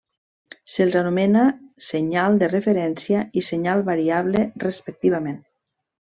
Se'ls anomena senyal de referència i senyal variable respectivament.